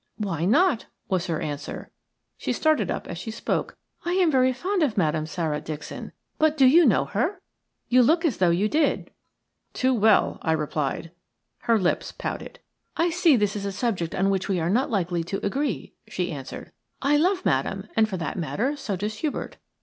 "Why not?" was her answer. She started up as she spoke, "I am very fond of Madame Sara, Dixon. But do you know her? You look as though you did." "Too well," I replied Her lips pouted "I see this is a subject on which we are not likely to agree," she answered. "I love Madame, and, for that matter, so does Hubert.